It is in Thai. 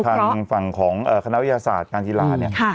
ความข้างฝั่งของคณะวิทยาศาสตร์การธีระ๑๙๗๔นี่